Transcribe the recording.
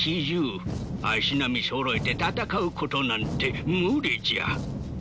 足並みそろえて戦うことなんて無理じゃ。